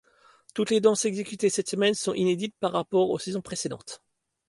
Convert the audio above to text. Toutes les danses exécutées cette semaine sont inédites par rapport aux saisons précédentes.